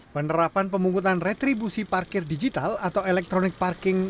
penerapan pemungkutan retribusi parkir digital atau electronic parking